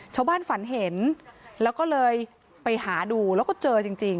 ฝันเห็นแล้วก็เลยไปหาดูแล้วก็เจอจริง